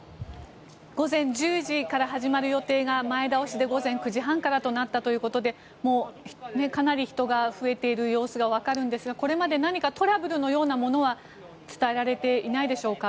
午前１０時から始まる予定が前倒しで午前９時半からとなったということでもうかなり人が増えている様子がわかるんですがこれまで何かトラブルのようなものは伝えられていないでしょうか。